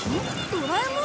ドラえもん？